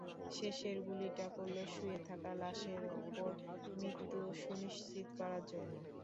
শেষের গুলিটা করল শুয়ে থাকা লাশের ওপর মৃত্যু সুনিশ্চিত করার জন্য।